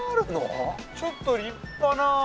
ちょっと立派なこれは。